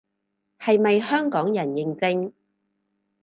係咪香港人認證